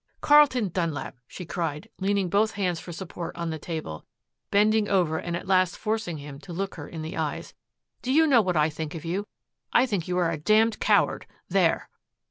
"Carlton Dunlap," she cried, leaning both hands for support on the table, bending over and at last forcing him to look her in the eyes, "do you know what I think of you? I think you are a damned coward. There!"